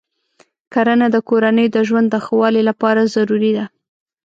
کرنه د کورنیو د ژوند د ښه والي لپاره ضروري ده.